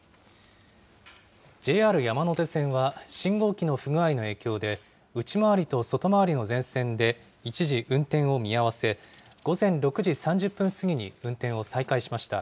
ＪＲ山手線は、信号機の不具合の影響で、内回りと外回りの全線で、一時運転を見合わせ、午前６時３０分過ぎに運転を再開しました。